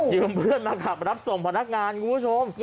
เพื่อนมาขับรับส่งพนักงานคุณผู้ชม